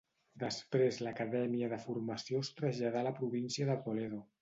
Després l'acadèmia de formació es traslladà a la província de Toledo.